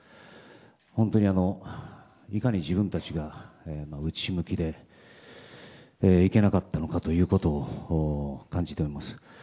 本当に、いかに自分たちが内向きでいけなかったのかということを感じています。